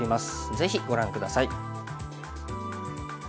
ぜひご覧下さい。